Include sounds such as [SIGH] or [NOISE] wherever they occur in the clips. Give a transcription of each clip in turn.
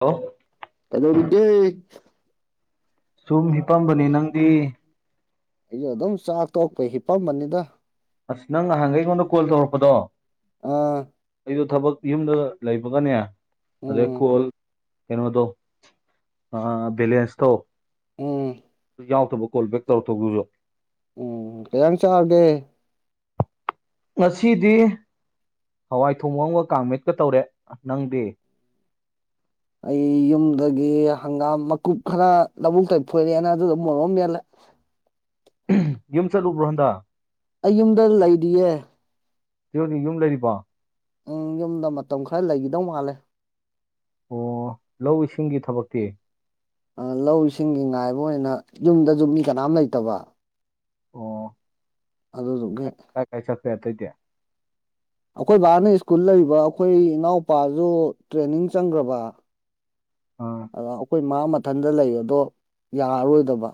Hello ꯀꯗꯣꯔꯤꯒꯦ ꯁꯨꯝ ꯍꯤꯄꯝꯕꯅꯤ ꯅꯪꯗꯤ? ꯑꯩꯁꯨ ꯑꯗꯨꯝ ꯆꯥꯛ ꯇꯣꯛꯄꯩ ꯍꯤꯄꯝꯕꯅꯤꯗ ꯑꯁ ꯅꯪ ꯅꯍꯥꯟꯒꯩ ꯑꯩꯉꯣꯟꯗ ꯀꯣꯜ ꯇꯧꯔꯛꯄꯗꯣ ꯑꯥ ꯑꯩꯗꯣ ꯊꯕꯛ ꯌꯨꯝꯗ ꯂꯩꯕꯒꯅꯦ ꯑꯗꯩ ꯎꯝ ꯀꯣꯜ ꯀꯩꯅꯣꯗꯣ ꯑ ꯚꯦꯂꯦꯟꯁꯇꯣ ꯎꯝ ꯌꯥꯎꯇꯕ ꯀꯣꯜ ꯕꯦꯛ ꯇꯧꯔꯛꯇꯧꯗꯨꯁꯨ ꯎꯝ ꯀꯌꯥꯝ ꯆꯥꯒꯦ ꯉꯁꯤꯗꯤ ꯍꯋꯥꯏ ꯊꯣꯡ ꯑꯃꯒ ꯀꯥꯡꯃꯦꯠꯀ ꯇꯧꯔꯦ ꯅꯪꯗꯤ? ꯑꯩ ꯌꯨꯝꯗꯒꯤ ꯍꯪꯒꯥꯝ ꯃꯀꯨꯞ ꯈꯔ ꯂꯧꯕꯨꯛꯇ ꯐꯣꯏꯔꯛꯑꯦꯅ ꯑꯗꯨꯗ ꯃꯣꯔꯣꯛ ꯑꯝ ꯃꯦꯠꯂꯦ꯫ [INAUDIBLE] ꯌꯨꯝ ꯆꯠꯂꯨꯕꯔꯣ ꯍꯟꯗꯥ? ꯑꯩ ꯌꯨꯝꯗ ꯂꯩꯗꯤꯌꯦ꯫ [UNINTELLIGIBLE] ꯌꯨꯝ ꯂꯩꯔꯤꯕꯣ? ꯎꯝ ꯌꯨꯝꯗ ꯃꯇꯝ ꯈꯔ ꯂꯩꯒꯤꯗꯧ ꯃꯥꯜꯂꯦ꯫ ꯑꯣ ꯂꯧ ꯏꯁꯤꯡꯒꯤ ꯊꯕꯛꯇꯤ ꯑ ꯂꯧꯁꯤꯡꯒꯤ ꯉꯥꯏꯕ ꯑꯣꯏꯅ ꯌꯨꯝꯗꯖꯨ ꯃꯤ ꯀꯅꯥꯝ ꯂꯩꯇꯕ ꯑꯣ ꯀ ꯑꯗꯨꯗꯨꯒꯤ ꯀꯥꯏ ꯀꯥꯏ ꯆꯠꯀꯦ ꯑꯇꯩꯗꯤ? ꯑꯈꯣꯏ ꯕꯥꯅ ꯁ꯭ꯀꯨꯜ ꯂꯩꯕ ꯑꯈꯣꯏ ꯏꯅꯥꯎꯄꯥꯖꯨ ꯇ꯭ꯔꯦꯅꯤꯡ ꯆꯪꯒꯔꯕꯥ ꯑꯥ ꯑꯗ ꯑꯈꯣꯏ ꯃꯥ ꯃꯊꯟꯗ ꯂꯩ ꯑꯗꯣ ꯌꯥꯔꯔꯣꯏꯗꯕ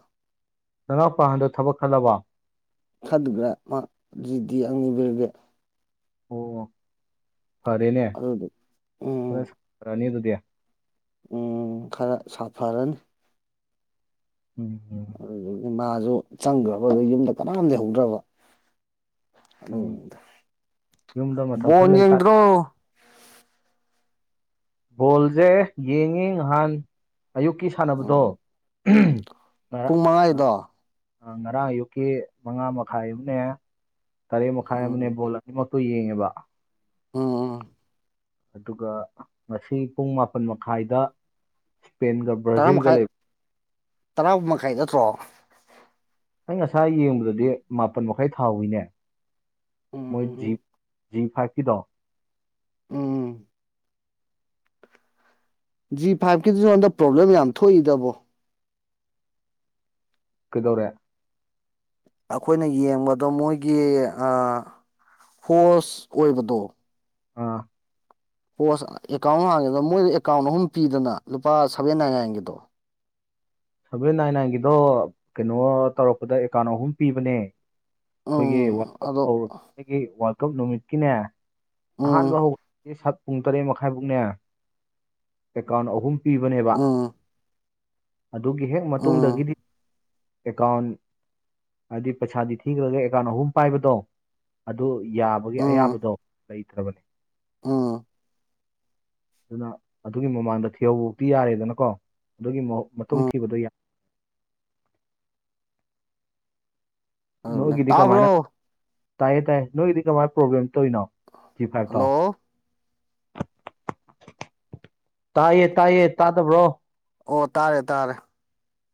ꯅꯅꯥꯎꯄꯥ ꯍꯟꯗꯛ ꯊꯕꯛ ꯈꯜꯂꯕ? [UNINTELLIGIBLE] ꯑꯣ ꯐꯔꯦꯅꯦ ꯑꯗꯨꯗꯨ ꯈꯔ ꯎꯝ ꯐꯔꯅꯤ ꯑꯗꯨꯗꯤ ꯎꯝ ꯈꯔ ꯁꯥꯐꯔꯅꯤ ꯎꯝꯝ ꯑꯗꯨꯗꯒꯤ ꯃꯥꯁꯨ ꯆꯪꯈ꯭ꯔꯕ ꯌꯨꯝꯗ ꯀꯅꯥꯝ ꯂꯩꯍꯧꯗ꯭ꯔꯕ ꯍꯂ ꯎꯝ ꯌꯨꯝꯗ ꯃꯇꯝ ꯣꯟ ꯈꯔ ꯂꯩꯇꯥ ꯌꯦꯗ꯭ꯔꯣ ꯕꯣꯜꯖꯦ ꯌꯦꯡꯉꯤ ꯉꯍꯥꯟ ꯑꯌꯨꯛꯀꯤ ꯁꯥꯟꯅꯕꯗꯣ ꯎꯝ ꯉ ꯄꯨꯡ ꯃꯉꯥꯒꯤꯗꯣ ꯉꯔꯥꯡ ꯑꯌꯨꯛꯀꯤ ꯃꯉꯥ ꯃꯈꯥꯏ ꯑꯃꯅꯦ ꯇꯔꯦꯠ ꯃꯈꯥꯏ ꯑꯃꯅꯦ ꯕꯣꯜ ꯑꯅꯤꯃꯛ ꯍ ꯌꯦꯡꯉꯦꯕ ꯑꯣꯝ ꯑꯗꯨꯒ ꯉꯁꯤ ꯄꯨꯡ ꯃꯥꯄꯜ ꯃꯈꯥꯏꯗ ꯏꯁꯄꯦꯟ ꯇꯔꯥ ꯀ ꯭ꯔꯥꯖꯤꯜ ꯀ ꯃꯈꯥꯏ ꯂꯩ ꯇꯔꯥ ꯃꯈꯥꯏ ꯅꯠꯇ꯭ꯔꯣ ꯑꯩ ꯉꯁꯥꯏ ꯌꯦꯡꯕꯗꯗꯤ ꯃꯥꯄꯜ ꯃꯈꯥꯏ ꯊꯥꯎꯋꯤꯅꯦ ꯎꯝ ꯃꯣꯏ ꯖꯤ ꯎꯝ ꯖꯤ ꯐꯥꯏꯚꯀꯤꯗꯣ ꯎꯝ ꯖꯤ ꯐꯥꯏꯚꯀꯤꯗꯨ ꯅꯉꯣꯟꯗ ꯄ꯭ꯔꯣꯕ꯭ꯂꯦꯝ ꯌꯥꯝ ꯊꯣꯛꯏꯗꯕꯣ ꯀꯗꯧꯔꯦ ꯑꯩꯈꯣꯏꯅ ꯌꯦꯡꯕꯗꯣ ꯃꯣꯏꯒꯤ ꯍꯣꯁ ꯑꯣꯏꯣꯏꯕꯗꯣ ꯑ ꯄꯣꯁ ꯑꯦꯀꯥꯎꯟ ꯍꯥꯡꯉꯦꯗꯅ ꯃꯣꯏꯗ ꯑꯦꯀꯥꯎꯟ ꯑꯍꯨꯝ ꯄꯤꯗꯅ ꯂꯨꯄꯥ ꯁꯚꯦꯟ ꯅꯥꯏꯟ ꯅꯥꯏꯟꯒꯤꯗꯣ ꯁꯚꯦꯟ ꯅꯥꯏꯟ ꯅꯥꯏꯟꯒꯤꯗꯣ ꯀꯩꯅꯣ ꯇꯧꯔꯛꯄꯗ ꯑꯦꯀꯥꯎꯟ ꯑꯍꯨꯝ ꯄꯤꯕꯅꯦ ꯑꯩꯈꯣꯏꯒꯤ ꯎꯝ ꯑꯗꯣ ꯀꯞ ꯅꯨꯃꯤꯠꯀꯤꯅꯦ ꯑꯍꯥꯟꯕ ꯎꯝ ꯍꯧ ꯑꯩ ꯁꯠ ꯄꯨꯡ ꯇꯔꯦꯠ ꯃꯈꯥꯏꯃꯨꯛꯅꯦ ꯑꯦꯀꯥꯎꯟ ꯑꯍꯨꯝ ꯄꯤꯕꯅꯦꯕ ꯎꯝ ꯑꯗꯨꯒꯤ ꯍꯦꯛ ꯎꯝ ꯃꯇꯨꯡꯗꯒꯤꯗꯤ ꯑꯦꯀꯥꯎꯟ ꯍꯥꯏꯗꯤ ꯄꯩꯁꯥꯗꯤ ꯊꯤꯈ꯭ꯔꯒ ꯑꯦꯀꯥꯎꯟ ꯑꯍꯨꯝ ꯄꯥꯏꯕꯗꯣ ꯑꯗꯨ ꯌꯥꯕꯒꯤ ꯑꯌꯥꯕꯗꯣ ꯂꯩꯇ꯭ꯔꯕꯅꯤ ꯑꯝ ꯑꯗꯨꯅ ꯑꯗꯨꯒꯤ ꯃꯃꯥꯡꯗ ꯊꯤꯍꯧꯕꯛꯇꯤ ꯌꯥꯔꯦꯗꯅꯀꯣ ꯑꯗꯨꯒꯤ ꯎꯝ ꯈꯨꯣꯡꯊꯤꯕꯗꯣ ꯌꯥꯏ ꯇꯥꯕ꯭ꯔꯣ ꯇꯥꯏꯌꯦ ꯇꯥꯏꯌꯦ ꯅꯣꯏꯒꯤꯗꯤ ꯀꯃꯥꯏꯅ ꯄ꯭ꯔꯣꯕ꯭ꯂꯦꯝ ꯇꯧꯔꯤꯅꯣ ꯖꯤ ꯐꯥꯏꯚ ꯇꯥꯎ ꯍꯜꯂꯣ ꯇꯥꯏꯌꯦ ꯇꯥꯏꯌꯦ ꯇꯥ ꯇꯕ꯭ꯔꯣ ꯑꯣ ꯇꯥꯔꯦ ꯇꯥꯔꯦ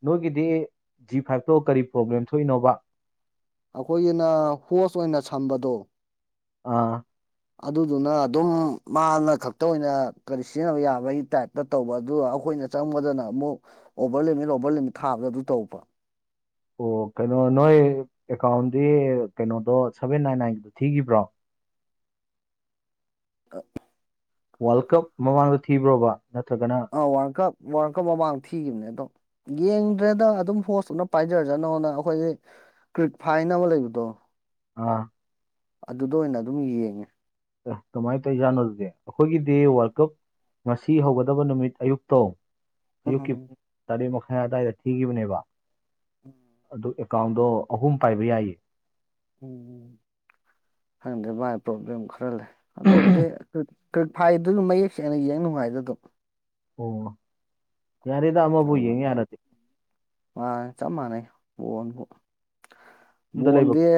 ꯅꯣꯏꯒꯤꯗꯤ ꯖꯤ ꯐꯥꯏꯚꯇꯣ ꯀꯔꯤ ꯄ꯭ꯔꯣꯕ꯭ꯂꯦꯝ ꯊꯣꯛꯏꯅꯣꯕ ꯑꯩꯈꯣꯏꯒꯤꯅ ꯍꯣꯁ ꯑꯣꯏꯅ ꯁꯝꯕꯗꯣ ꯑꯥ ꯑꯗꯨꯗꯨꯅ ꯑꯗꯨꯝ ꯃꯥꯅ ꯈꯛꯇ ꯑꯣꯏꯅ ꯀꯔꯤ ꯁꯤꯖꯤꯟꯅꯕ ꯌꯥꯕꯒꯤ ꯇꯥꯏꯞꯇ ꯇꯧꯕ ꯑꯗꯨ ꯑꯩꯈ ꯑꯩꯈꯣꯏꯅ ꯆꯪꯕꯗꯅ ꯑꯃꯨꯛ ꯑꯣꯚꯔ ꯂꯤꯃꯤꯠ ꯑꯣꯚꯔ ꯂꯤꯃꯤꯠ ꯊꯥꯕꯗ ꯑꯗꯨ ꯇꯧꯕ ꯑꯣ ꯀꯩꯅꯣ ꯅꯣꯏ ꯑꯦꯀꯥꯎꯟꯗꯤ ꯀꯩꯅꯣꯗꯣ ꯁꯚꯦꯟ ꯅꯥꯏꯟ ꯅꯥꯏꯟꯒꯤꯗꯣ ꯊꯤꯈꯤꯕ꯭ꯔꯣ ꯀꯞ ꯋꯥꯔꯜ ꯀꯞ ꯃꯃꯥꯡꯗ ꯊꯤꯕ꯭ꯔꯣꯕ ꯅꯠꯇ꯭ꯔꯒꯅ ꯑ ꯋꯥꯔꯜ ꯀꯞ ꯋꯥꯔꯜ ꯀꯞ ꯃꯃꯥꯡꯗ ꯊꯤꯈꯤꯕꯅꯦ ꯑꯗꯣ ꯌꯦꯡꯗ꯭ꯔꯦꯗ ꯑꯗꯨꯝ ꯍꯣꯁꯇꯅ ꯄꯥꯏꯖꯔꯖꯥꯅꯣꯅ ꯑꯩꯈꯣꯏꯁꯦ ꯀꯔꯤ ꯐꯥꯏꯅ ꯑꯃ ꯂꯩ ꯇꯣ ꯑꯥ ꯑꯗꯨꯗ ꯑꯣꯏꯅ ꯑꯗꯨꯝ ꯌꯦꯡꯉꯦ ꯀꯃꯥꯏꯅ ꯇꯧꯔꯤꯖꯥꯠꯅꯣꯦ ꯑꯩꯈꯣꯏꯒꯤꯗꯤ ꯋꯥꯔꯜ ꯀꯞ ꯉꯁꯤ ꯍꯧꯒꯗꯕ ꯅꯨꯃꯤꯠ ꯑꯌꯨꯛꯇꯣ ꯑꯌꯨꯛꯀꯤ ꯎꯝ ꯄꯨꯡ ꯇꯔꯦꯠ ꯃꯈꯥꯏ ꯑꯗꯨꯋꯥꯏꯗ ꯊꯤꯈꯤꯕꯅꯦꯕ ꯎꯝ ꯑꯗꯨ ꯑꯦꯀꯥꯎꯟꯗꯣ ꯑꯍꯨꯝ ꯄꯥꯏꯕ ꯌꯥꯏꯌꯦ ꯎꯝ ꯈꯪꯗꯦ ꯃꯚꯥꯏ ꯄ꯭ꯔꯣꯕ꯭ꯂꯦꯝ ꯈꯔ ꯂꯩ ꯑꯗꯨꯕꯨꯗꯤ ꯐꯥꯏ ꯑꯗꯨ ꯃꯌꯦꯛ ꯁꯦꯡꯅ ꯌꯦꯡ ꯅꯨꯡꯉꯥꯏꯗ ꯑꯗꯨꯝ ꯑꯣ ꯌꯥꯔꯩꯗ ꯑꯃꯕꯨꯦ ꯑꯗꯨꯝ ꯌꯥꯔꯗꯤ ꯌꯨꯝꯗ ꯣꯟ ꯂꯩꯕ ꯗꯤꯦ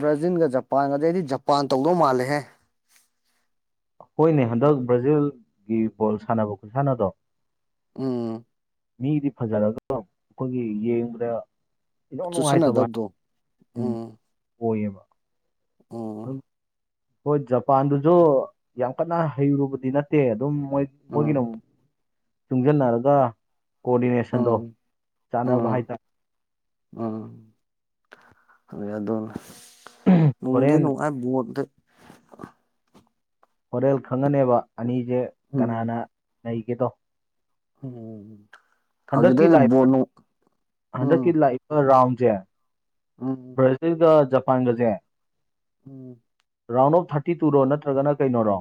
ꯕ꯭ꯔꯥꯖꯤꯜꯒ ꯖꯄꯥꯟꯒꯗ ꯑꯩꯗꯤ ꯖꯄꯥꯟ ꯇꯧꯗꯧ ꯃꯥꯜꯂꯦꯍꯦ ꯍꯣꯏꯅꯦ ꯍꯟꯗꯛ ꯕ꯭ꯔꯥꯖꯤꯜꯒꯤ ꯕꯣꯜ ꯁꯥꯟꯅꯕ ꯈꯨꯠꯁꯥꯟꯅꯗꯣ ꯎꯝ ꯃꯤꯗꯤ ꯐꯖꯔꯒ ꯑꯩꯈꯣꯏꯒꯤ ꯌꯦꯡꯕ꯭ꯔꯦ ꯗꯣꯛ ꯅꯨꯡꯉꯥꯏꯇꯕ ꯆꯨꯁꯟꯅꯗꯕꯗꯣ ꯎꯝ ꯑꯣꯏꯌꯦꯕ ꯎꯝ ꯍꯣꯏ ꯖꯄꯥꯟꯗꯨꯁꯨ ꯌꯥꯝ ꯀꯟꯅ ꯍꯩꯔꯨꯕꯗꯤ ꯅꯠꯇꯦ ꯑꯗꯨꯝ ꯃꯣꯏ ꯎꯝ ꯃꯣꯏꯒꯤꯅ ꯑꯃꯛ ꯇꯨꯡꯁꯤꯟꯅꯔꯒ ꯀꯣꯑꯣꯗꯤꯅꯦꯁꯟꯗꯣ ꯎꯝ ꯆꯥꯟꯅꯕ ꯎꯝ ꯍꯥꯏꯇꯥꯔꯦ ꯎꯝ ꯑꯗꯨ ꯑ ꯑꯗꯨ ꯅꯅꯨꯡꯗꯤ ꯍꯣꯔꯦꯟ ꯅꯅꯨꯡꯥꯏ ꯠ ꯍꯣꯇꯦꯜ ꯈꯪꯉꯅꯦꯕ ꯑꯅꯤꯁꯦ ꯀꯅꯥꯅ ꯂꯩꯒꯦꯗꯣ ꯍ ꯍꯟꯗꯛꯀꯤ ꯂꯥꯏ ꯍꯟꯗꯛꯀꯤ ꯎꯝ ꯂꯥꯏꯄ ꯔꯥꯎꯟ ꯁꯦ ꯎꯝ ꯕ꯭ꯔꯥꯖꯤꯜꯒ ꯖꯄꯥꯟꯒꯁꯦ ꯎꯝ ꯔꯥꯎꯟ ꯑꯣꯐ ꯊꯥꯔꯇꯤ ꯇꯨꯔꯣ ꯅꯠꯇ꯭ꯔꯒꯅ ꯀꯩꯅꯣꯔꯣ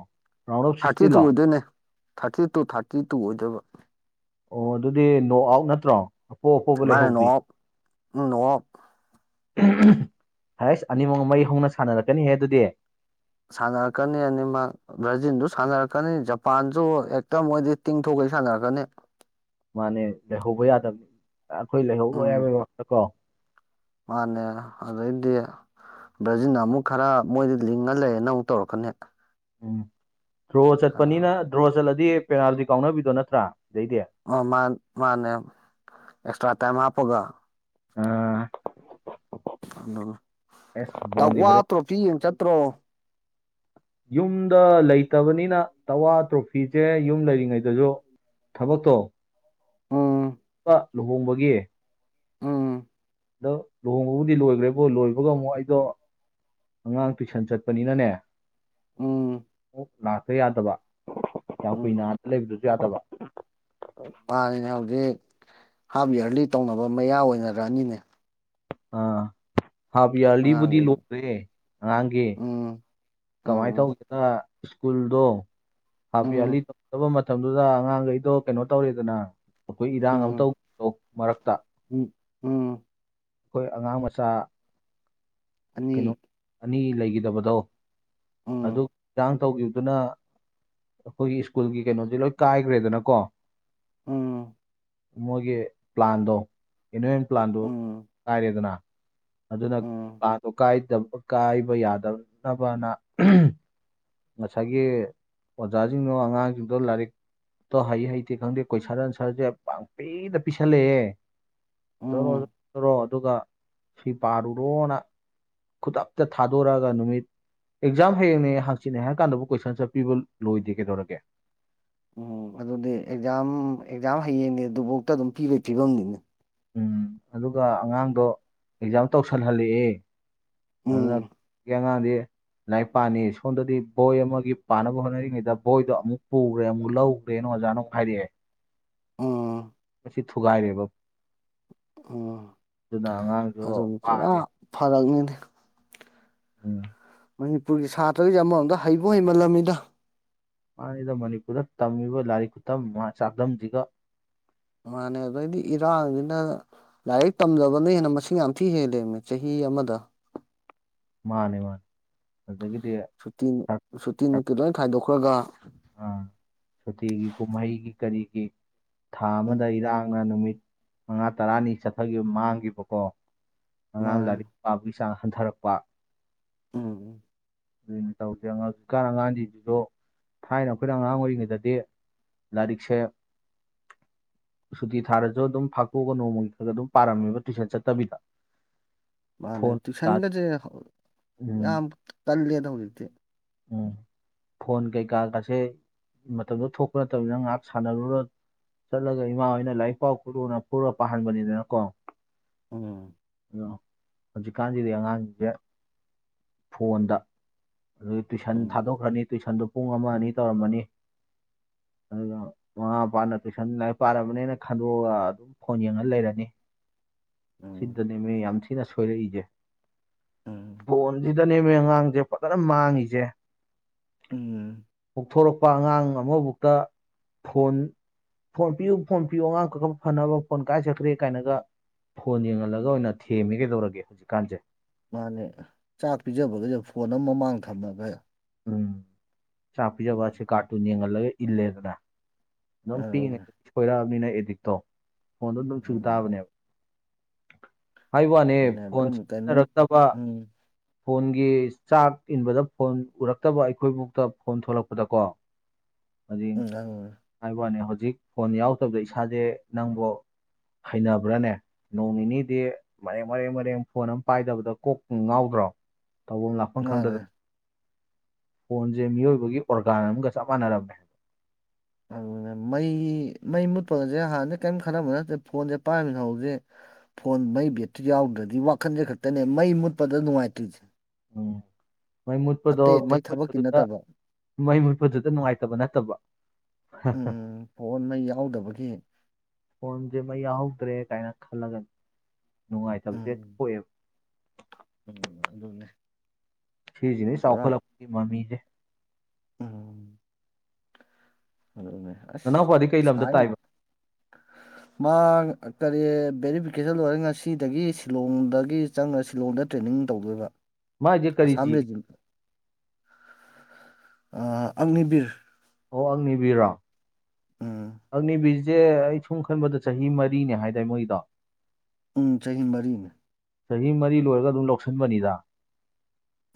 ꯔꯥꯎꯟ ꯑꯣꯐ ꯊꯥꯔꯇꯤ ꯇꯨ ꯁꯤꯛꯁꯇꯤꯟꯂꯣ ꯑꯣꯏꯗꯣꯏꯅꯦ ꯊꯥꯔꯇꯤ ꯇꯨ ꯊꯥꯔꯇꯤ ꯇꯨ ꯑꯣꯏꯗꯕ ꯑꯣ ꯑꯗꯨꯗꯤ ꯅꯣ ꯑꯥꯎꯠ ꯅꯠꯇ꯭ꯔꯣ ꯑꯄꯣ ꯑꯄꯣꯄ ꯂꯩꯍꯧꯕꯤ ꯅ ꯍꯁ ꯑꯅꯤꯃꯛ ꯃꯩ ꯍꯧꯅ ꯁꯥꯟꯅꯔꯛꯀꯅꯤꯍꯦ ꯑꯗꯨꯗꯤ ꯁꯥꯟꯅꯔꯛꯀꯅꯤ ꯑꯅꯤꯃꯛ ꯕ꯭ꯔꯥꯖꯤꯟꯗꯨ ꯁꯥꯟꯅꯔꯛꯀꯅꯤ ꯖꯄꯥꯟꯁꯨ ꯍꯦꯛꯇ ꯃꯣꯏꯗꯤ ꯇꯤꯡꯊꯣꯛ ꯄꯩꯁꯥꯅꯒꯅꯦ ꯃꯥꯅꯦ ꯂꯩꯍꯧꯕ ꯌꯥꯗꯕꯅꯤ ꯑꯩꯈꯣꯏ ꯂꯩꯍꯧꯕ ꯎꯝ ꯌꯥꯕꯒꯤ ꯀꯣ ꯃꯥꯅꯦ ꯑꯗꯨꯗ ꯏꯗꯤ ꯕ꯭ꯔꯥꯖꯤꯜꯅ ꯑꯃꯨꯛ ꯈꯔ ꯃꯣꯏꯗꯤ ꯂꯤꯡꯉ ꯂꯩꯔꯅ ꯑꯃꯨꯛ ꯇꯧꯔꯛꯀꯅꯤ ꯎꯝ ꯗ꯭ꯔꯣ ꯆꯠꯄꯅꯤꯅ ꯗ꯭ꯔꯣ ꯆꯠꯂꯗꯤ ꯄꯦꯅꯥꯜꯇꯤ ꯀꯥꯎꯅꯕꯤꯗꯣ ꯅꯠꯇ꯭ꯔꯥ ꯑꯗꯩꯗꯤ ꯑꯣ ꯃꯥ ꯃꯥꯅꯦ ꯑꯦꯁꯇ꯭ꯔꯥ ꯇꯥꯏꯝ ꯍꯥꯣꯒ ꯑꯥ ꯇꯛꯋꯥ ꯍꯣꯔꯦꯟ ꯇ꯭ꯔꯣꯐꯤ ꯌꯦꯡ ꯆꯠꯇ꯭ꯔꯣ ꯌꯨꯝꯗ ꯂꯩꯇꯕꯅꯤꯅ ꯇꯋꯥ ꯇ꯭ꯔꯣꯐꯤꯁꯦ ꯌꯨꯝ ꯂꯩꯔꯤꯉꯩꯗꯁꯨ ꯊꯕꯣ ꯇꯣ ꯎꯝ ꯂꯨꯍꯣꯡꯕꯒꯤ ꯎꯝ ꯑꯗꯣ ꯂꯨꯍꯣꯡꯕꯕꯨꯗꯤ ꯂꯣꯏꯈ꯭ꯔꯦꯕꯣ ꯂꯣꯏꯕꯒ ꯑꯃꯨꯛ ꯑꯩ ꯑꯗꯣ ꯑꯉꯥꯡ ꯇꯨꯏꯁꯟ ꯆꯠꯄꯅꯤꯅꯅꯦ ꯎꯝ ꯑꯣ ꯂꯥꯛꯇ ꯌꯥꯗꯕ ꯌꯥꯝ ꯀꯨꯏ ꯎꯝ ꯅꯥꯗ ꯂꯩꯕꯗꯨꯁꯨ ꯌꯥꯗꯕ ꯃꯥꯅꯤꯅꯦ ꯍꯧꯖꯤꯛ ꯍꯥꯐ ꯏꯌꯥꯔꯂꯤ ꯇꯧꯅꯕ ꯃꯌꯥ ꯑꯣꯏꯅꯔꯛꯑꯅꯤꯅꯦ ꯑꯥ ꯍꯥꯕꯌꯥꯔꯂꯤꯕꯨꯗꯤ ꯑꯉꯥꯡꯈꯩ ꯂꯣꯏꯔꯦ ꯉꯥꯡꯒꯦ ꯎꯝ ꯀꯃꯥꯏꯅ ꯎꯝ ꯇꯧꯒꯦꯗ ꯁ꯭ꯀꯨꯜꯗꯣ ꯍꯥꯐ ꯌꯥꯌꯥꯔꯂꯤ ꯎꯝ ꯇꯧꯗꯕ ꯃꯇꯝꯗꯨꯗ ꯑꯉꯥꯡꯈꯩꯗꯣ ꯀꯩꯅꯣ ꯇꯧꯔꯤꯗꯅ ꯑꯩꯈꯣꯏ ꯏꯔꯥꯡ ꯎꯝ ꯑꯃ ꯇ ꯃꯔꯛꯇ ꯎꯝ ꯎꯝ ꯎꯝ ꯑꯩꯈꯣꯏ ꯑꯉꯥꯡ ꯃꯆꯥ ꯑꯅꯤ ꯀꯩꯅꯣ ꯑꯅꯤ ꯂꯩꯈꯤꯗꯕꯗꯣ ꯑꯗꯨ ꯎꯝ ꯈꯤꯥꯡ ꯇꯧꯈꯤꯕꯗꯨꯅ ꯑꯩꯈꯣꯏꯒꯤ ꯁ꯭ꯀꯨꯜꯒꯤ ꯀꯩꯅꯣꯁꯦ ꯂꯣꯏ ꯀꯥꯏꯈ꯭ꯔꯦꯗꯅꯀꯣ ꯎꯝ ꯃꯣꯏꯒꯤ ꯄ꯭ꯂꯥꯟꯗꯣ ꯑꯦꯅꯨꯋꯦꯟ ꯄ꯭ꯂꯥꯟꯗꯨ ꯎꯝ ꯀꯥꯏꯔꯦꯗꯅ ꯑꯗꯨ ꯑꯗꯨꯅ ꯎꯝ ꯄꯥꯗꯣ ꯀꯗꯕ ꯀꯥꯏꯕ ꯌꯥꯗꯅꯕꯅ ꯉꯁꯥꯏꯒꯤ ꯑꯣꯖꯥꯁꯤꯡꯗꯣ ꯑꯉꯥꯡꯁꯤꯡꯗꯣ ꯂꯥꯏꯔꯤꯛ ꯑꯣ ꯍꯩ ꯍꯩꯇꯦ ꯈꯪꯗꯦ ꯀꯣꯏ ꯁꯔꯟ ꯁꯥꯔꯁꯦ ꯄꯥꯡ ꯄꯄꯤꯗ ꯄꯤꯁꯜꯂꯛꯑꯦ ꯎꯝ ꯔꯣꯔꯣ ꯑꯗꯨꯒ ꯁꯤ ꯄꯥꯔꯨꯔꯣꯅ ꯈꯨꯨꯗ ꯑꯞꯇ ꯊꯥꯗꯧꯔꯑꯒ ꯅꯨꯃꯤꯠ ꯑꯦꯛꯖꯥꯝ ꯍꯌꯦꯡꯅꯦ ꯍꯥꯡꯆꯤꯅꯦ ꯍꯥꯏ ꯀꯥꯟꯗꯕꯨ ꯀꯣꯏꯁꯟꯁꯠ ꯄꯄꯤꯕ ꯂꯣꯏꯗꯦ ꯀꯩꯗꯧꯔꯒꯦ ꯎꯝ ꯑꯗꯨꯗꯤ ꯑꯦꯛꯖꯥꯝ ꯑꯦꯛꯖꯥꯝ ꯍꯌꯦꯡꯅꯦ ꯑꯗꯨꯐꯥꯎꯇ ꯑꯗꯨꯝ ꯄꯤꯕ ꯐꯤꯕꯝꯅꯤꯅ ꯎꯝ ꯑꯗꯨꯒ ꯑꯉꯥꯡꯗꯣ ꯑꯦꯛꯖꯥꯝ ꯇꯧꯁꯜꯍꯜꯂꯛꯑꯦ ꯑꯗꯨꯅ ꯎꯝ ꯀꯦꯡꯉꯥꯡꯗꯤ ꯂ ꯄꯅꯤ ꯁꯣꯝꯗꯗꯤ ꯕꯣꯏ ꯑꯃꯒꯤ ꯄꯥꯅꯕ ꯍꯣꯠꯅꯔꯤꯉꯩꯗ ꯕꯣꯏꯗꯣ ꯑꯃꯨꯛ ꯄꯨꯈ꯭ꯔꯦ ꯑꯃꯨꯛ ꯂꯧꯈ꯭ꯔꯦꯅ ꯃꯖꯥꯅ ꯍꯥꯏꯔꯤꯦ ꯎꯝ ꯃꯁꯤ ꯊꯨꯒꯥꯏꯔꯦꯕꯥ ꯎꯝ ꯑꯗꯨꯅ ꯑꯉꯥꯡꯁꯨ ꯑꯗꯨꯅꯤ ꯄꯨꯔꯥ ꯋꯥꯔꯦ ꯐꯔꯛꯅꯤꯅꯦ ꯎꯝ ꯃꯅꯤꯄꯨꯔꯒꯤ ꯁꯥꯇ꯭ꯔꯁ ꯑꯃ ꯑꯝꯗ ꯍꯩꯕ pꯍꯩꯃꯜꯂꯝꯃꯤꯅ ꯃꯥꯅꯤꯗ ꯃꯅꯤꯄꯨꯔꯗ ꯇꯝꯃꯤꯕ ꯂꯥꯏꯔꯤꯛ ꯈꯨꯠꯇꯝ ꯆꯥꯛꯗꯝꯁꯤꯒ ꯃꯥꯅꯦ ꯑꯗꯨꯗꯩꯗꯤ ꯏꯔꯥꯡꯁꯤꯅ ꯂꯥꯏꯔꯤꯛ ꯇꯝꯖꯕꯅ ꯍꯦꯟꯅ ꯃꯁꯤꯡ ꯌꯥꯝ ꯊꯤ ꯍꯦꯜꯂꯕꯃꯦ ꯆꯍꯤ ꯑꯃꯗ ꯃꯥꯅꯦ ꯃꯥ ꯁꯨꯇꯤ ꯁꯨꯇꯤ ꯅꯨꯡꯠꯇꯤ ꯂꯣꯏ ꯈꯥꯏꯗꯣꯛꯈ꯭ꯔꯒ ꯑ ꯁꯨꯇꯤꯒꯤ ꯀꯨꯝꯍꯩꯒꯤ ꯀꯔꯤꯒꯤ ꯊꯥ ꯑꯃꯗ ꯎꯝ ꯏꯔꯥꯡꯅ ꯅꯨꯃꯤꯠ ꯃꯉꯥ ꯇꯔꯥꯅꯤ ꯆꯠꯊꯈꯤꯕ ꯃꯥꯡꯈꯤꯕꯀꯣ ꯑꯉꯥꯡ ꯃꯥꯅꯦ ꯂꯥꯏꯔꯤꯛ ꯄꯥꯕꯒꯤ ꯆꯥꯡ ꯍꯟꯊꯔꯛꯄ ꯎꯝ ꯑꯗꯨꯅ ꯇꯧꯗꯦꯥꯡ ꯍꯧꯖꯤꯛꯀꯥꯟ ꯑꯉꯥꯡꯁꯤꯡꯁꯤꯁꯨ ꯊꯥꯏꯅ ꯑꯩꯈꯣꯏꯅ ꯑꯉꯥꯡ ꯑꯣꯏꯔꯤꯉꯩꯗꯗꯤ ꯂꯔꯤꯛꯁꯦ ꯁꯨꯇꯤ ꯊꯥꯔꯁꯨ ꯑꯗꯨꯝ ꯐꯥꯀꯣꯛꯑꯒ ꯅꯣꯡꯃꯒꯤ ꯈꯔ ꯑꯗꯨꯝ ꯄꯥꯔꯝꯃꯦꯕ ꯇꯨꯏꯁꯟ ꯆꯠꯇꯕꯤꯗ [UNINTELLIGIBLE] [UNINTELLIGIBLE] ꯃꯥꯅꯦ ꯐꯣꯟ ꯀꯩꯀꯥ ꯇꯨꯏꯁꯟꯒꯁꯦ ꯎꯝ ꯌꯥꯝ ꯀꯜꯂꯦꯗ ꯍꯧꯖꯤꯛꯇꯤ ꯎꯝ ꯐꯣꯟ ꯀꯩꯀꯥꯒꯥꯁꯦ ꯃꯇꯝꯗꯣ ꯊꯣꯛꯄ ꯅꯠꯇꯕꯗꯅ ꯉꯥꯏꯍꯥꯛ ꯁꯥꯟꯅꯔꯨꯔ ꯆꯠꯂꯒ ꯏꯃꯥ ꯍꯣꯏꯅ ꯂꯥꯏꯔꯤꯛ ꯄꯥꯎ ꯈꯨꯔꯨꯅ ꯄꯨꯔ ꯄꯥꯍꯟꯕꯅꯤꯗꯅꯀꯣ ꯎꯝ ꯍꯧꯖꯤ ꯀꯥꯖꯗꯤꯉꯥꯡ ꯐꯣꯟꯗ ꯑꯗꯨ ꯇꯨꯏꯁꯟ ꯎꯝ ꯊꯥꯗꯣꯛꯈ꯭ꯔꯅꯤ ꯇꯨꯏꯁꯟꯗꯨ ꯄꯨꯡ ꯑꯃ ꯑꯅꯤ ꯇꯧꯔꯝꯃꯅꯤ ꯑꯗꯨꯒ ꯃꯃꯥ ꯃꯄꯥꯅ ꯇꯨꯏꯁꯟ ꯂꯥꯏꯔꯤꯛ ꯄꯥꯔꯕꯅꯤꯅ ꯈꯟꯗꯣꯛꯑꯒ ꯑꯗꯨꯝ ꯐꯣꯟ ꯌꯦꯡꯉ ꯂꯩꯔꯅꯤ ꯎꯝ ꯁꯤꯅꯦ ꯃ ꯌꯥꯝꯝꯁꯤꯅ ꯁꯣꯏꯣꯏꯔꯖꯦ ꯎꯝ ꯁꯤꯗꯅꯦꯕ ꯑꯉꯥꯡꯁꯦ ꯐꯖꯅ ꯃꯥꯡꯉꯤꯁꯦ ꯎꯝ ꯀꯥꯎꯊꯣꯔꯛꯄ ꯑꯉꯥꯡ ꯑꯃꯐꯥꯎꯛꯇ ꯐꯣꯟ ꯐꯣꯟ ꯄꯤꯌꯨ ꯐꯣꯟ ꯄꯤꯌꯨ ꯑꯉꯥꯡ ꯈ ꯈꯔ ꯐꯅꯕ ꯐꯣꯟ ꯀꯥꯏ ꯆꯠꯈ꯭ꯔꯦ ꯀꯥꯏꯅꯒ ꯐꯣꯟ ꯌꯦꯡꯍꯜꯂꯒ ꯑꯣꯏꯅ ꯊꯦꯝꯃꯦ ꯀꯩꯗꯧꯔꯒꯦ ꯍꯧꯖꯤꯛꯀꯥꯟꯁꯦ ꯃꯥꯅꯦ ꯆꯥꯛ ꯄꯤꯖꯕꯈꯩꯁꯨ ꯐꯣꯟ ꯑꯃ ꯃꯃꯥꯡ ꯊꯝꯃꯒ ꯎꯝ ꯆꯥꯛ ꯄꯤꯖꯕꯁꯦ ꯀꯥꯔꯇꯨꯟ ꯌꯦꯡꯍꯜꯂꯒ ꯏꯜꯂꯦꯗꯅ ꯑꯗꯨꯝ ꯑꯗꯨꯅꯦ ꯄꯤꯛꯏꯉꯩ ꯁꯣꯏꯔꯛꯑꯕꯅꯤꯅ ꯑꯦꯗꯤꯛꯇꯣ ꯐꯣꯟꯗꯣ ꯑꯗꯨꯝ ꯆꯨ ꯎꯝ ꯇꯥꯕꯅꯦꯕ ꯍꯥꯏ ꯋꯥꯅꯦ ꯃꯥꯅꯦ ꯐꯣꯟ ꯑꯗꯨꯝ ꯀꯩꯅꯣꯝ ꯁꯤꯖꯤꯟꯅꯔꯛꯇꯕ ꯎꯝ ꯐꯣꯟꯒꯤ ꯆꯥꯛ ꯏꯟꯕꯗ ꯐꯣꯟ ꯎꯔꯛꯇꯕ ꯑꯩꯈꯣꯏꯐꯥꯎꯗ ꯐꯣꯟ ꯊꯣꯛꯂꯛꯄꯗꯀꯣ ꯑꯗꯨ ꯎꯝ ꯑꯗꯨꯅꯦ ꯍꯥꯏ ꯋꯥꯅꯤ ꯍꯧꯖꯤꯛ ꯍꯧꯖꯤꯛ ꯐꯣꯟ ꯌꯥꯎꯗꯕꯗ ꯏꯁꯥꯁꯦ ꯅꯪꯕꯨꯣ ꯍꯩꯅꯕ꯭ꯔꯥꯅꯦ ꯅꯣꯡ ꯅꯤꯅꯤꯗꯤ ꯃꯔꯦꯡ ꯃꯔꯦꯡ ꯃꯔꯦꯡ ꯐꯣꯟ ꯑꯃ ꯄꯥꯏꯗꯕꯗ ꯀꯣꯛ ꯉꯥꯎꯗꯕ ꯭ꯔꯣ ꯇꯧꯐꯝ ꯂꯥꯛꯐꯝ ꯃꯥꯅꯦ ꯈꯪꯗꯗꯅ ꯐꯣꯟꯁꯦ ꯃꯤꯑꯣꯏꯕꯒꯤ ꯑꯣꯔꯒꯥꯟ ꯑꯃꯒ ꯆꯞ ꯃꯥꯟꯅꯔꯝꯃꯦ ꯍꯥꯏꯕ ꯑꯗꯨꯅ ꯃꯩ ꯃꯩ ꯃꯨꯠꯄꯒꯁꯦ ꯍꯥꯟꯅꯗꯤꯩ ꯀꯔꯤꯝ ꯈꯜꯂꯝꯕ ꯅꯠꯇꯦ ꯐꯣꯟꯁꯦ ꯄꯥꯔꯝꯃꯤꯅ ꯍꯧꯁꯦ ꯐꯣꯟ ꯃꯩ ꯕꯦꯇ꯭ꯔꯤ ꯌꯥꯎꯗ꯭ꯔꯗꯤ ꯋꯥꯈꯟꯁꯦ ꯈꯛꯇꯅꯦ ꯃꯩ ꯃꯨꯠꯄꯗ ꯅꯨꯡꯉꯥꯏꯇ꯭ꯔꯤꯁꯦ ꯑꯣ ꯃꯩ ꯃꯨꯠꯄꯗꯣ ꯑꯇꯩ ꯃꯩ ꯑꯇꯩ ꯊꯕꯛꯀꯤ ꯃꯨꯠꯄꯗꯨꯗ ꯅꯠꯇꯕ ꯃꯩ ꯃꯨꯠꯄꯗꯨꯗ ꯅꯨꯡꯉꯥꯏꯇꯕ ꯅꯠꯇꯕ ꯎꯝ ꯐꯣꯟ ꯃꯩ ꯌꯥꯎꯗꯕꯒꯤ ꯄꯨꯖꯦ ꯃ ꯑꯍꯧꯗ ꯔꯦ ꯀꯥꯏꯅ ꯈꯜꯂꯒꯅꯤ ꯅꯨꯡꯉꯥꯏꯇꯕꯁꯦ ꯎꯝ ꯊꯣꯛꯣꯛꯑꯦꯕ ꯎꯝ ꯑꯗꯨꯗꯟꯅꯦ ꯁꯤꯁꯤ ꯆꯥꯎꯥꯈꯜꯂꯛ ꯃꯝꯃꯤ ꯎꯝ ꯑꯁ ꯅꯅꯥꯎꯄꯥꯗꯤ ꯀꯩ ꯁ ꯂꯝꯗ ꯇꯥꯏꯕ ꯃꯥ ꯀꯔꯤ ꯕꯦꯔꯤꯐꯤꯀꯦꯁꯟ ꯂꯣꯏꯔꯦ ꯉꯁꯤꯗꯒꯤ ꯁꯤꯂꯣꯡꯗꯒꯤ ꯆꯪꯉ ꯁꯤꯂꯣꯡꯗ ꯇ꯭ꯔꯦꯅꯤꯡ ꯑꯗꯨꯝ ꯇꯧꯗꯣꯏꯕ ꯃꯥꯖꯤꯦ ꯀꯔꯤ ꯑꯁꯥꯝ ꯆꯤꯔꯤ ꯑ ꯑꯒꯅꯤꯕꯤꯔ ꯑꯣ ꯑꯪꯅꯤꯕꯤꯔꯣ ꯎꯝ ꯑꯪꯅꯤ ꯁꯦ ꯑꯩ ꯁꯨꯝ ꯈꯟꯕꯗ ꯆꯍꯤ ꯃꯔꯤꯅꯦ ꯍꯥꯏꯗꯥꯏ ꯃꯣꯏꯗꯣ ꯎ ꯆꯍꯤ ꯃꯔꯤꯅ ꯆꯍꯤ ꯃꯔꯤ ꯂꯣꯏꯔꯒ ꯑꯗꯨꯝ ꯂꯧꯁꯤꯟꯕꯅꯤꯗ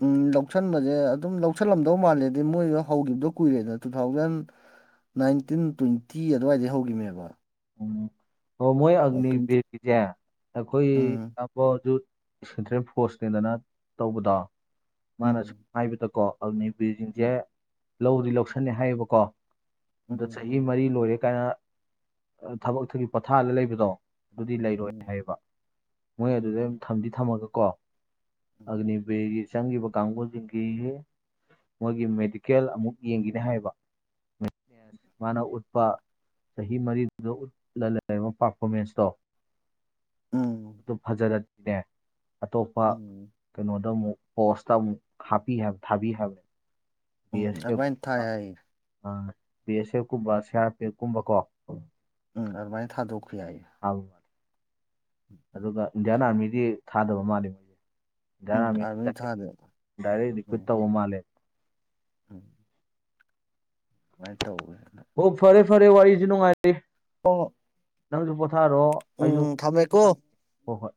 ꯎꯝ ꯂꯧꯁꯟꯕꯁꯦ ꯑꯗꯨꯝ ꯂꯧꯁꯜꯂꯝꯗꯧ ꯃꯥꯜꯂꯦꯗꯤ ꯃꯣꯏꯗꯣ ꯍꯧꯈꯤꯕꯗꯣ ꯀꯨꯏꯔꯦꯗꯅ ꯇꯨ ꯊꯥꯎꯖꯟ ꯅꯥꯏꯟꯇꯤꯟ ꯇ꯭ꯋꯦꯟꯇꯤ ꯑꯗꯨꯋꯥꯏꯗꯩ ꯍꯧꯈꯤꯕꯅꯦꯕ ꯎꯝ ꯑꯣ ꯃꯣꯏ ꯑꯒꯅꯤ ꯇ꯭ꯋꯦꯟꯇꯤ ꯕꯤꯔꯒꯤꯁꯦ ꯑꯩꯈꯣꯏ ꯎꯝ ꯁꯦꯟꯇ꯭ꯔꯦꯜ ꯐꯣꯔꯁꯅꯦꯗꯅ ꯇꯧꯕꯗꯣ ꯃꯥꯅ ꯁꯨꯝ ꯎꯝ ꯍꯥꯏꯕꯗꯀꯣ ꯑꯜꯅꯤ ꯎꯝ ꯕꯤꯁꯤꯡꯁꯦ ꯂꯧꯗꯤ ꯂꯧꯁꯅꯤꯦ ꯍꯥꯏꯌꯦꯕꯀꯣ ꯑꯗ ꯎꯝ ꯆꯍꯤ ꯃꯔꯤ ꯂꯣꯏꯔꯦ ꯀꯥꯏꯅ ꯊꯕꯛꯇꯒꯤ ꯄꯣꯊꯥꯜꯂ ꯂꯩꯕꯗꯣ ꯑꯗꯨꯗꯤ ꯂꯩꯔꯣꯏ ꯍꯥꯏꯌꯦꯕ ꯃꯣꯏ ꯑꯗꯨꯗ ꯑꯗꯨꯝ ꯊꯝꯗꯤ ꯊꯝꯃꯒꯀꯣ ꯎꯝ ꯑꯒꯅꯤꯕꯦꯒꯤ ꯆꯪꯕ ꯀꯥꯡꯕꯨꯁꯤꯡꯁꯤ ꯃꯣꯏꯒꯤ ꯃꯦꯗꯤꯀꯦꯜ ꯑꯃꯨꯛ ꯌꯦꯡꯈꯤꯅꯤ ꯍꯥꯏꯕ ꯃꯅ ꯎꯠꯄ ꯁꯍꯤ ꯃꯔꯤ ꯑꯗꯨ ꯎꯠꯂ ꯂꯩꯔꯤꯕ ꯄꯥꯔꯐꯣꯔꯃꯦꯟꯁꯇꯣ ꯎꯝ ꯑꯗꯨ ꯐꯖꯔ ꯅꯦ ꯑꯇꯣꯞꯄ ꯎꯝ ꯀꯩꯅꯣꯗ ꯑꯃꯨꯛ ꯄꯁ ꯍꯥꯥꯄꯤ ꯊꯥꯕꯤ ꯍꯥꯏ ꯎꯝ ꯑ ꯋꯥꯥꯏꯅ ꯊꯥꯏ ꯍꯥꯏ ꯕꯤ ꯑꯦꯁ ꯑꯦꯐ ꯀꯨꯝꯕ ꯁꯤ ꯑꯥꯔ ꯄꯤ ꯑꯦꯐ ꯀꯨꯝꯕꯀꯣ ꯎꯝ ꯑꯗꯨ ꯃꯥꯏ ꯊꯥꯗꯣꯛ ꯈꯨꯌꯥꯏ ꯃꯥꯜꯂꯦ ꯑꯗꯨꯒ ꯏꯟꯗꯤꯌꯥꯟ ꯑꯥꯔꯃꯤꯗꯤ ꯊꯥꯗꯕ ꯃꯥꯜꯂꯦ ꯃꯣꯏꯁꯦ ꯌꯥ ꯎꯝ ꯔꯥꯃꯦ ꯑꯥꯔꯃꯤ ꯊꯥꯗ ꯎꯝ [UNINTELLIGIBLE] ꯃꯂꯦ ꯎꯝ ꯑꯗꯨꯃꯥꯏꯅ ꯇꯧ ꯑꯣ ꯐꯔꯦ ꯐꯔꯦ ꯋꯥꯔꯤꯁꯨ ꯅꯨꯡꯉꯥꯏꯔꯤ ꯑꯣ ꯅꯪꯁꯨ ꯄꯣꯊꯥꯔꯣ ꯑꯩꯁꯨ ꯎꯝ ꯊꯝꯃꯦꯀꯣ ꯍꯣꯏ ꯍꯣꯏ